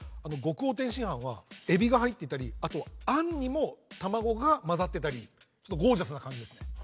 極王天津飯はエビが入ってたりあとあんにも卵が混ざってたりちょっとゴージャスな感じですね。